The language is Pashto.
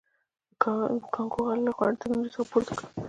د کانګو خلکو له غوره ټکنالوژۍ څخه ګټه پورته نه کړه.